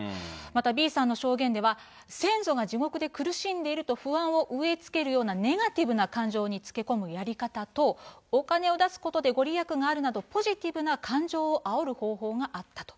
またびーさんのしょうげんでは先祖が地獄で苦しんでいると不安を植えつけるようなネガティブな感情につけ込むやり方と、お金を出すことで、ご利益があるなど、ポジティブな感情をあおる方法があったと。